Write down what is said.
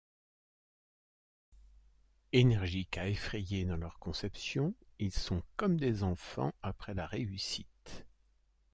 Énergiques à effrayer dans leurs conceptions, ils sont comme des enfants après la réussite.